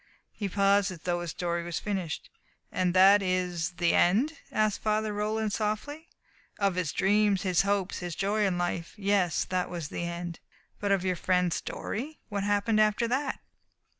He paused, as though his story was finished. "And that is the end?" asked Father Roland softly. "Of his dreams, his hopes, his joy in life yes, that was the end." "But of your friend's story? What happened after that?"